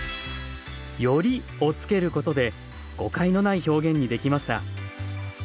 「より」をつけることで誤解のない表現にできました。